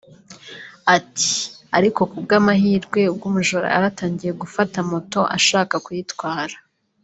Ati “Ariko ku bw’amahirwe ubwo umujura yari atangiye gufata moto ashaka kuyitwara